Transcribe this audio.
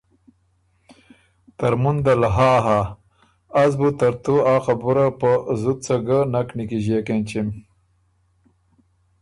ترمُن دل ”ها“ هۀ،”از بُو ترتُو ا خبُره په زُت څۀ ګه نک نیکیݫيېک اېنچِم۔